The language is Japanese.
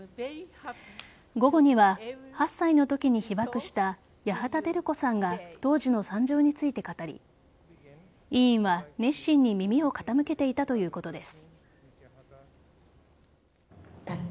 午後には８歳のときに被爆した八幡照子さんが当時の惨状について語り委員は熱心に耳を傾けていたということです。